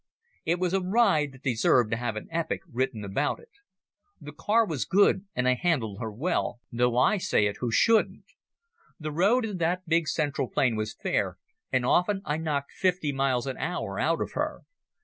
It was a ride that deserved to have an epic written about it. The car was good, and I handled her well, though I say it who shouldn't. The road in that big central plain was fair, and often I knocked fifty miles an hour out of her.